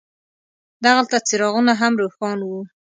دغلته څراغونه هم روښان وو.